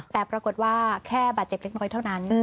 แต่ปรากฏว่าแค่บาดเจ็บเล็กน้อยเท่านั้น